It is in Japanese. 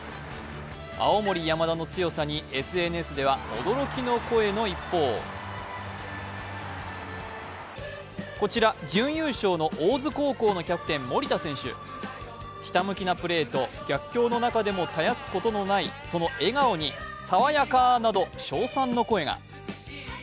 青森山田の強さにＳＮＳでは驚きの声の一方、こちら、準優勝の大津高校のキャプテン・森田選手ひたむきなプレーと逆境の中でも絶やすことのない笑顔に、「爽やか」など称賛の声が。